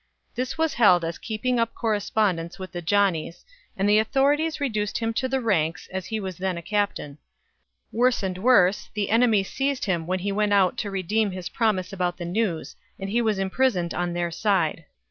This was held as keeping up correspondence with the Johnnies, and the authorities reduced him to the ranks, as he was then a captain. Worse and worse, the enemy seized him when he went out to redeem his promise about the news, and he was imprisoned on their side.